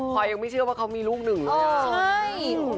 พอยังไม่เชื่อว่าเขามีลูกหนึ่งใช่